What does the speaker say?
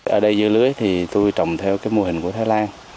ở đây dưa lưới thì tôi trồng theo cái mô hình của thái lan